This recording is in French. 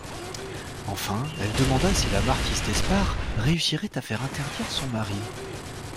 Enfin, elle demanda si la marquise d'Espard réussirait à faire interdire son mari.